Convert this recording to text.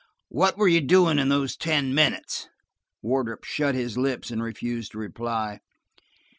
What were you doing in those ten minutes ?" Wardrop shut his lips and refused to reply.